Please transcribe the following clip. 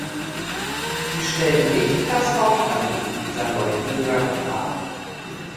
Sie stellen nicht das Hauptanliegen dieser neuen Behörde dar.